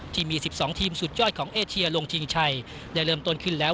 ที่มี๑๒ทีมสุดยอดของเอเชียลงชิงชัยได้เริ่มต้นขึ้นแล้ว